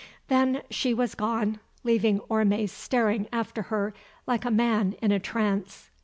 Then she was gone, leaving Orme staring after her like a man in a trance.